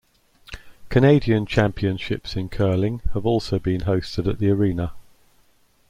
Canadian championships in curling have also been hosted at the arena.